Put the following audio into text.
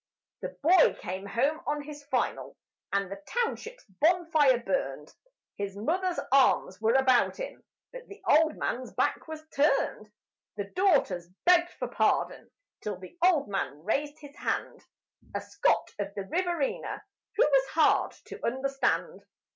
The boy came home on his "final", and the township's bonfire burned. His mother's arms were about him; but the old man's back was turned. The daughters begged for pardon till the old man raised his hand A Scot of the Riverina who was hard to understand.